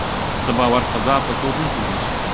د باور فضا په زور نه جوړېږي